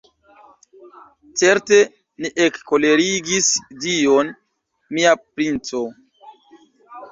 Certe ni ekkolerigis Dion, mia princo.